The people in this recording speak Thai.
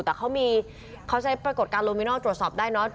แต่เขาใช้ปรากฏการณ์โลมินอลตรวจสอบได้เนอะ